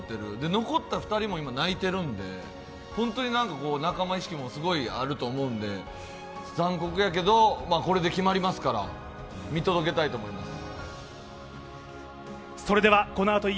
残った２人も今、泣いてるんで、本当になんか、仲間意識もすごいあると思うんで残酷やけどこれで決まりますから見届けたいと思います。